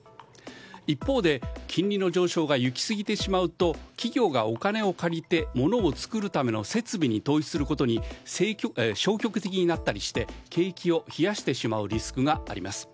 一方で、金利の上昇がいき過ぎてしまうと企業が、お金を借りて物を作るための設備に投資することに消極的になったりして景気を冷やしてしまうリスクがあります。